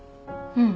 うん。